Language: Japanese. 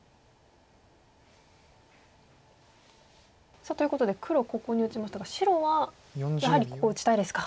さあということで黒ここに打ちましたが白はやはりここ打ちたいですか。